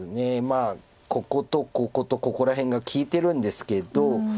まあこことこことここら辺が利いてるんですけど。